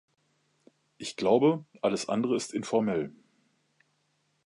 Ich glaube, alles andere ist informell.